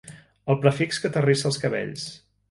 El prefix que t'arrissa els cabells.